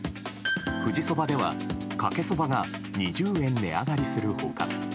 富士そばでは、かけそばが２０円値上がりする他